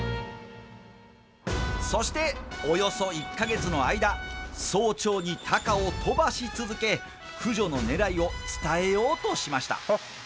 そして、およそ１か月の間早朝にたかを飛ばし続け駆除のねらいを伝えようとしました。